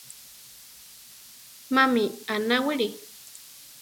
Mami anáwili?